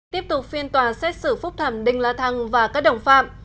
tiếp tục phiên tòa xét xử phúc thẩm đinh la thăng và các đồng phạm